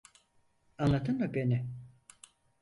Anladın mı beni?